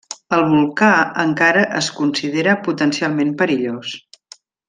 El volcà encara es considera potencialment perillós.